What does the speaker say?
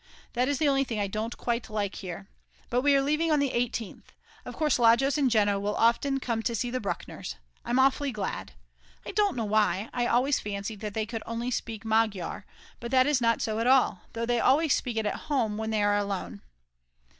That is the only thing I don't quite like here. But we are leaving on the 18th. Of course Lajos and Jeno will often come to see the Bruckners; I'm awfully glad. I don't know why, I always fancied that they could only speak Magyar; but that is not so at all, though they always speak it at home when they are alone.